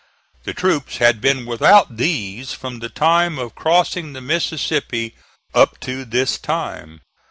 The troops had been without these from the time of crossing the Mississippi up to this time.